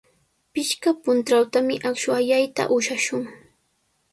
Pichqa puntrawtami akshu allayta ushashun.